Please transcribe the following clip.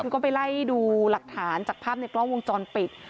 ก็ไปไล่ดูหลักฐานจากภาพในกล้องวงจรปิด